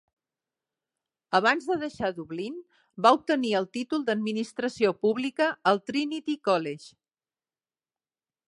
Abans de deixar Dublín, va obtenir el títol d'administració pública al Trinity College.